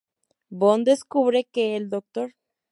Bond descubre que el Dr.